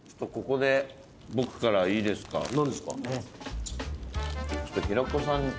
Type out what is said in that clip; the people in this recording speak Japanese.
ここで僕からいいですか？